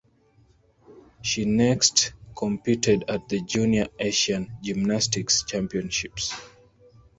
She next competed at the junior Asian Gymnastics Championships.